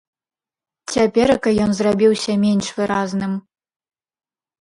Цяперака ён зрабіўся менш выразным.